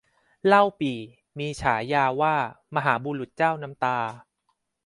เล่าปี่มีฉายาว่ามหาบุรุษเจ้าน้ำตา